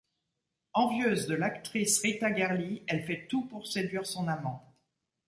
Envieuse de l'actrice Rita Gerly, elle fait tout pour séduire son amant.